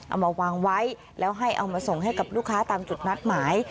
เอามาวางไว้แล้วให้เอามาส่งให้กับลูกค้าตามจุดนัดหมาย